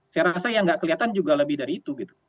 saya rasa yang nggak kelihatan juga lebih dari itu gitu